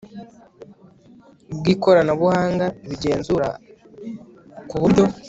bw ikoranabuhanga bigenzura ko uburyo